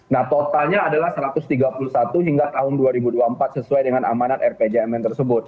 nah totalnya adalah satu ratus tiga puluh satu hingga tahun dua ribu dua puluh empat sesuai dengan amanat rpjmn tersebut